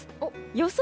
予想